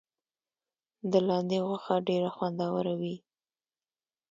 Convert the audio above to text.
د لاندي غوښه ډیره خوندوره وي.